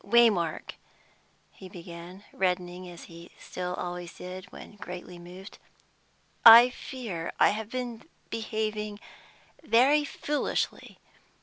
"Waymark," he began, reddening as he still always did when greatly moved, "I fear I have been behaving very foolishly.